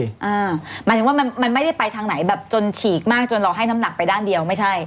หมายถึงว่ามันไม่ได้ไปทางไหนแบบจนฉีกมากจนเราให้น้ำหนักไปด้านเดียวไม่ใช่